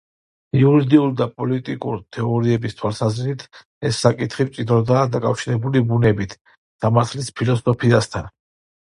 იურიდიული და პოლიტიკური თეორიების თვალსაზრისით, ეს საკითხი მჭიდროდაა დაკავშირებული ბუნებითი სამართლის ფილოსოფიასთან.